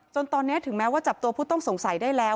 ตอนนี้ถึงแม้ว่าจับตัวผู้ต้องสงสัยได้แล้ว